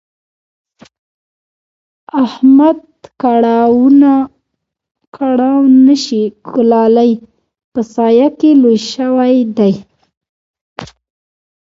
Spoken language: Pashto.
احمد کړاو نه شي ګاللای؛ په سايه کې لوی شوی دی.